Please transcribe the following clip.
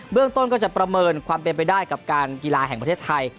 เรื่องต้นก็จะประเมินความเป็นไปได้กับการกีฬาแห่งประเทศไทย